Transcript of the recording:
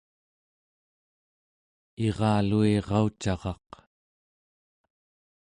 iraluiraucaraq